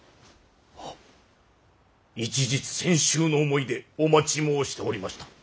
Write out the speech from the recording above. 一日千秋の思いでお待ち申しておりました。